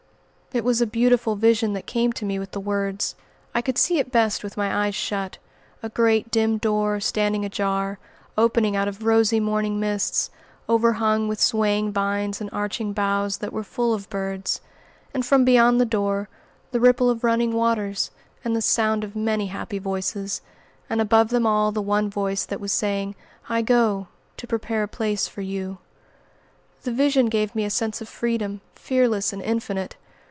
It was a beautiful vision that came to me with the words, I could see it best with my eyes shut, a great, dim Door standing ajar, opening out of rosy morning mists, overhung with swaying vines and arching boughs that were full of birds; and from beyond the Door, the ripple of running waters, and the sound of many happy voices, and above them all the One Voice that was saying, "I go to prepare a place for you." The vision gave me a sense of freedom, fearless and infinite.